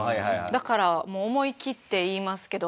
だからもう思い切って言いますけど。